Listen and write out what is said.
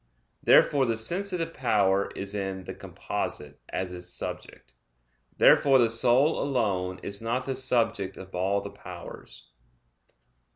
Therefore the sensitive power is in "the composite" as its subject. Therefore the soul alone is not the subject of all the powers.